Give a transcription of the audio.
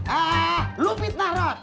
bikin lu fitnah ros